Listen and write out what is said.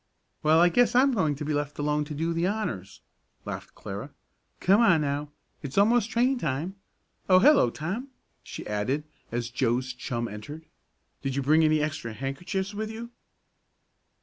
"Well, I guess I'm going to be left alone to do the honors," laughed Clara. "Come on now, it's almost train time. Oh, hello, Tom!" she added, as Joe's chum entered. "Did you bring any extra handkerchiefs with you?"